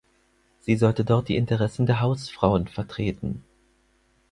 Sie sollte dort die Interessen der Hausfrauen vertreten.